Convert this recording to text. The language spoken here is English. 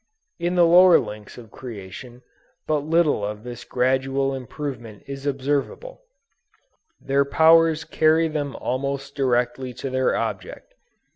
In the lower links of creation, but little of this gradual improvement is observable; their powers carry them almost directly to their object.